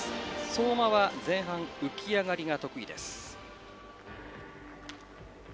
相馬は前半浮き上がりが得意です。